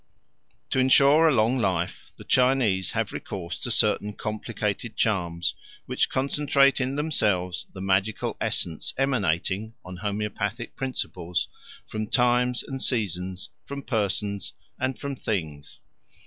To ensure a long life the Chinese have recourse to certain complicated charms, which concentrate in themselves the magical essence emanating, on homoeopathic principles, from times and seasons, from persons and from things.